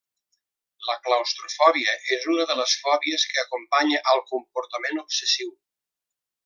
La claustrofòbia és una de les fòbies que acompanya al comportament obsessiu.